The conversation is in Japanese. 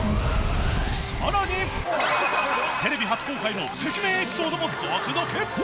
更に、テレビ初公開の赤面エピソードも続々。